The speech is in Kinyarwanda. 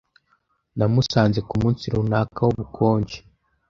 Namusanze kumunsi runaka wubukonje.